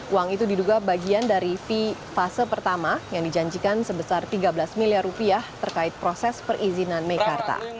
uang itu diduga bagian dari fee fase pertama yang dijanjikan sebesar tiga belas miliar rupiah terkait proses perizinan mekarta